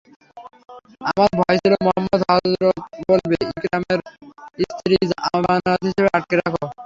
আমার ভয় ছিল, মুহাম্মাদ হয়ত বলবে, ইকরামার স্ত্রীকে জামানত হিসেবে আটকে রাখ।